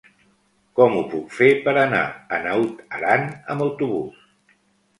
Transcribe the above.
Com ho puc fer per anar a Naut Aran amb autobús?